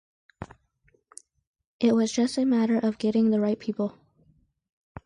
It was just a matter of getting the right people.